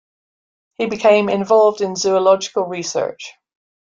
He became involved in zoological research.